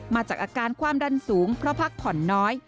มาจากอาการความดันสูงเพราะพักผ่อนน้อย